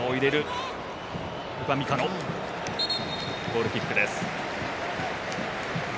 ゴールキックです。